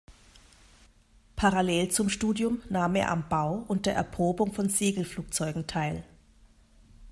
Parallel zum Studium nahm er am Bau und der Erprobung von Segelflugzeugen teil.